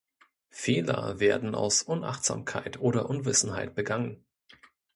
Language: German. Fehler werden aus Unachtsamkeit oder Unwissenheit begangen.